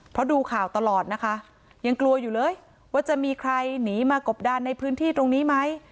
เพราะดูข่าวตลอดนะคะยังกลัวอยู่เลยว่าจะมีใครหนีมากบดันในพื้นที่ตรงนี้ไหม